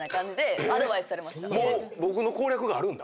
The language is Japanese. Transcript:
もう僕の攻略があるんだ。